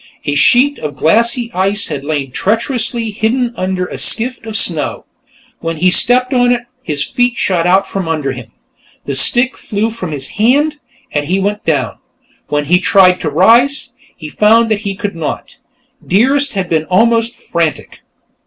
A sheet of glassy ice had lain treacherously hidden under a skift of snow; when he stepped upon it, his feet shot from under him, the stick flew from his hand, and he went down. When he tried to rise, he found that he could not. Dearest had been almost frantic.